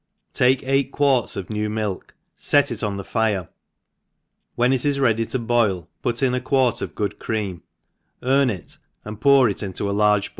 TAKE eight quarts of. new milk, fet it on the fire, when it is ready to boil put in a quart •of good cream, earn it, and pour it into a Urge.